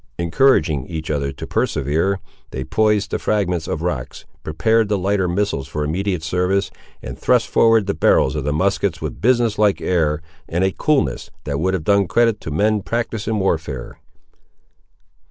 Encouraging each other to persevere, they poised the fragments of rocks, prepared the lighter missiles for immediate service, and thrust forward the barrels of the muskets with a business like air, and a coolness, that would have done credit to men practised in warfare.